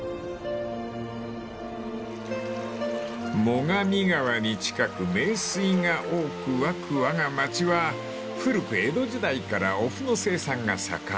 ［最上川に近く名水が多く湧くわが町は古く江戸時代からおふの生産が盛ん］